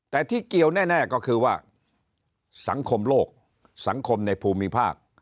แต่ที่เกี่ยวแน่ก็คือว่าสังคมโลกสังคมในภูมิภาค